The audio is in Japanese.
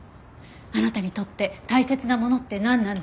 あなたにとって大切なものってなんなんですか？